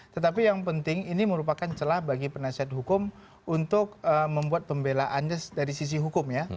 tetapi yang penting ini merupakan celah bagi penasihat hukum untuk membuat pembelaannya dari sisi hukum ya